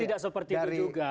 tidak seperti itu juga